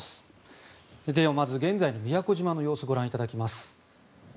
では、まず現在の宮古島の様子をご覧いただきます。